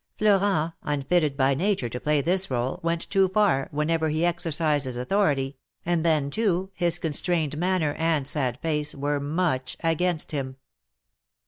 Florent, unfitted by nature to play this role, went too far, whenever he exercised his authority, and then, too, his constrained manner and sad face were much against him.